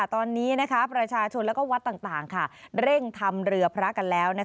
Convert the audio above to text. ตอนนี้ประชาชนและวัดต่างเร่งทำเรือพระกันแล้ว